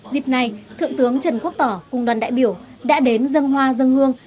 dịp này thượng tướng trần quốc tỏ cùng đoàn đại biểu đã đến dân hoa dân hương